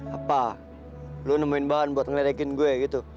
apa lu nemuin bahan buat ngeledekin gue gitu